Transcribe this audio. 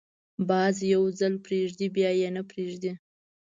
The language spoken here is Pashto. باز یو ځل پرېږدي، بیا یې نه پریږدي